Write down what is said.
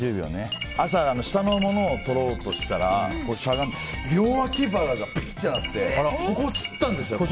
朝、下のものを取ろうとしたら両脇腹がびきってなってここつったんですよ。